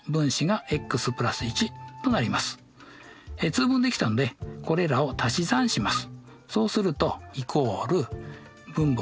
通分できたのでこれらをたし算します。